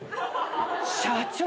社長！